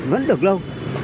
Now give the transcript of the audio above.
vẫn được lâu